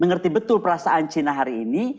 mengerti betul perasaan china hari ini